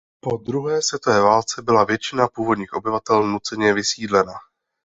Po druhé světově válce byla většina původních obyvatel nuceně vysídlena.